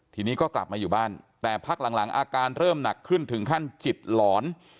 ทีนี้ก็กลับมาอยู่บ้านแต่พักหลังอาการเริ่มหนักขึ้นถึงขั้นจิตหลอน